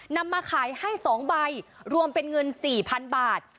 นำมาขายให้สองใบรวมเป็นเงินสี่พันบาท